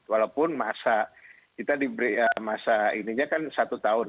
walaupun masa kita diberi masa ininya kan satu tahun